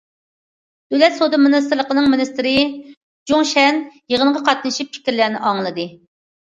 دۆلەت سودا مىنىستىرلىقىنىڭ مىنىستىرى جۇڭ شەن يىغىنغا قاتنىشىپ پىكىرلەرنى ئاڭلىدى.